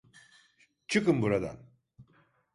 Çıkın buradan!